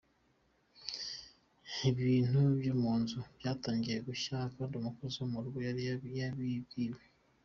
Ibintu byo mu nzu byatangiye gushya , kandi umukozi wo m’urugo yari yabibwiwe.